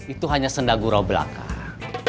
itu hanya senda gurau belakang